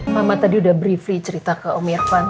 mama tadi udah briefly cerita ke om irfan